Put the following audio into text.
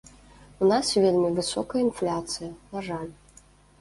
У нас вельмі высокая інфляцыя, на жаль.